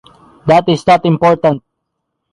That is not important.